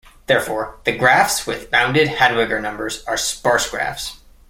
Therefore, the graphs with bounded Hadwiger number are sparse graphs.